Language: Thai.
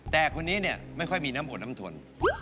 แต่คนนี้ไม่ค่อยมีนำบ่นนำถน